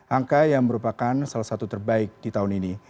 angka yang merupakan salah satu terbaik di tahun ini